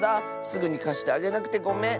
すぐにかしてあげなくてごめん！